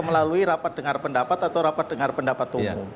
melalui rapat dengar pendapat atau rapat dengar pendapat umum